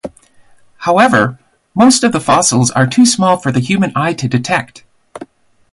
However, most of the fossils are too small for the human eye to detect.